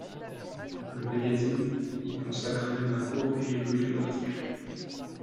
Le magazine ' y consacre même un court et élogieux article.